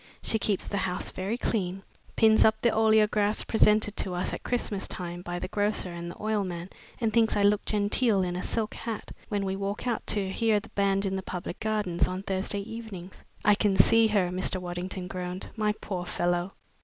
She keeps the house very clean, pins up the oleographs presented to us at Christmas time by the grocer and the oil man, and thinks I look genteel in a silk hat when we walk out to hear the band in the public gardens on Thursday evenings." "I can see her!" Mr. Waddington groaned. "My poor fellow!"